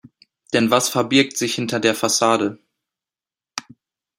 Denn was verbirgt sich hinter der Fassade?